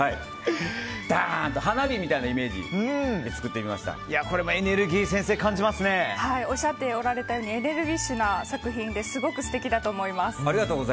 ダーンと花火みたいなイメージでこれもエネルギーをおっしゃっておられたようにエネルギッシュな作品ですごく素敵だと思います。